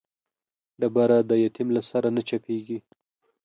ډبره د يتيم له سره نه چپېږي.